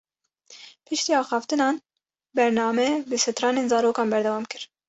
Piştî axaftinan, bername bi stranên zarokan berdewam kir